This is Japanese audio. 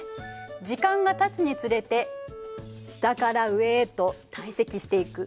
時間がたつにつれて下から上へと堆積していく。